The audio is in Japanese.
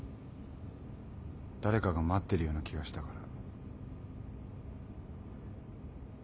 誰かが待ってるような気がしたから。